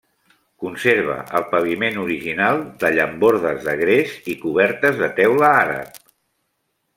Conserva el paviment original de llambordes de gres i cobertes de teula àrab.